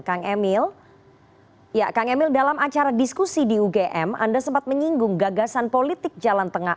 kang emil ya kang emil dalam acara diskusi di ugm anda sempat menyinggung gagasan politik jalan tengah